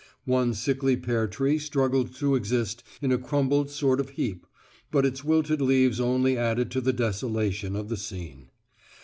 One sickly pear tree struggled to exist in a crumpled sort of heap, but its wilted leaves only added to the desolation of the scene.